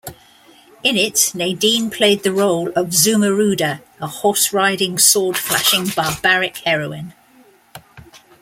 In it, Nadine played the role of Zumuruda, a horse-riding, sword-flashing barbaric heroin.